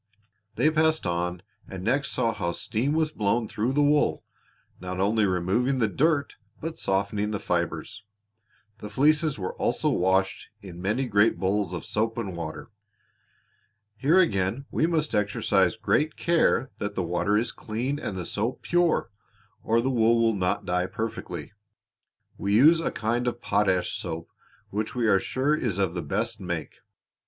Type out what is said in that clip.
They passed on and next saw how steam was blown through the wool, not only removing the dirt but softening the fibers. The fleeces were also washed in many great bowls of soap and water. "Here again we must exercise great care that the water is clean and the soap pure, or the wool will not dye perfectly. We use a kind of potash soap which we are sure is of the best make.